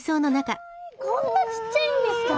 こんなちっちゃいんですか？